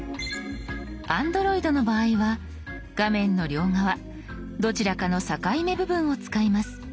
Ａｎｄｒｏｉｄの場合は画面の両側どちらかの境目部分を使います。